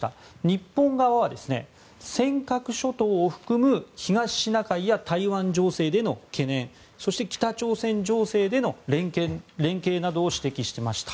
日本側は尖閣諸島を含む東シナ海や台湾情勢での懸念そして、北朝鮮情勢での連携などを指摘しました。